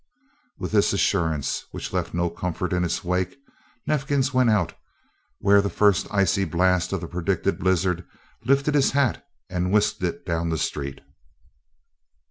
With this assurance, which left no comfort in its wake, Neifkins went out where the first icy blast of the predicted blizzard lifted his hat and whisked it down the street.